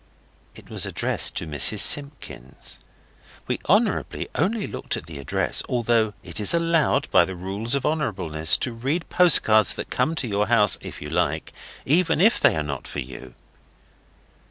It was addressed to Mrs Simpkins. We honourably only looked at the address, although it is allowed by the rules of honourableness to read postcards that come to your house if you like, even if they are not for you.